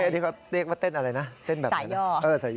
เดี๋ยวเขาเรียกว่าเต้นอะไรนะเต้นแบบใส่ย่อ